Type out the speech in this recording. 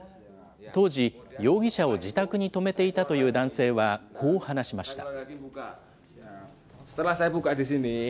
当時、容疑者を自宅に泊めていたという男性は、こう話しました。